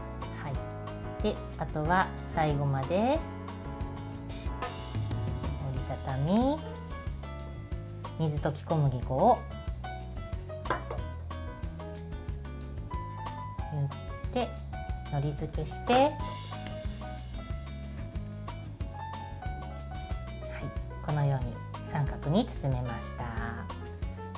あとは最後まで折り畳み水溶き小麦粉を塗ってのり付けしてこのように三角に包めました。